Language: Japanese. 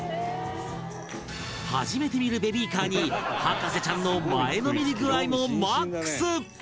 初めて見るベビーカーに博士ちゃんの前のめり具合もマックス